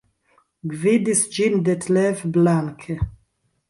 Gvidis ĝin Detlev Blanke.